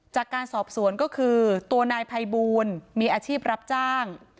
จากการสอบสวนก็คือตัวนายภัยบูลมีอาชีพรับจ้าง